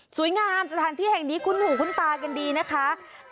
สถานที่แห่งนี้คุ้นหูคุ้นตากันดีนะคะ